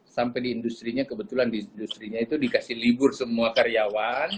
sampai di industri nya kebetulan di industri nya itu dikasih libur semua karyawan